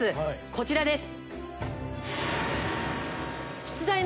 こちらです。